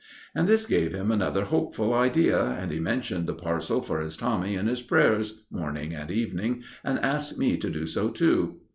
And this gave him another hopeful idea, and he mentioned the parcel for his Tommy in his prayers, morning and evening, and asked me to do so too.